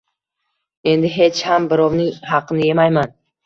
Endi hech ham birovning haqini yemayman